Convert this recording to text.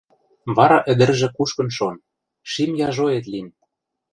Вара ӹдӹржӹ кушкын шон, шим яжоэт лин.